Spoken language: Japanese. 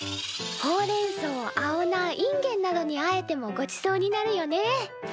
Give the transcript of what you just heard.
ほうれんそう青菜いんげんなどにあえてもごちそうになるよね。